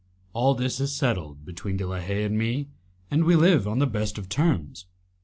All this is settled between De la Haye and me, and we live on the best of terms."